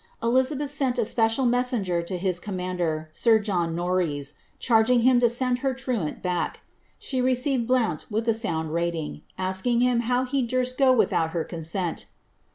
Eli zabeth sent a special messenger to bis commander, sir John Norreys, charging him to send her Iruani back tu her. She received Blouni wiih a sound rating, asking liim how he durst go without her consent.